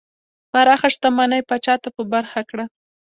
پراخه شتمنۍ پاچا ته په برخه کړه.